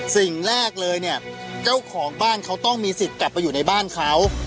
สิ่งแรกเลยเนี่ยเจ้าของบ้านเขาต้องมีสิทธิ์กลับไปอยู่ในบ้านเขา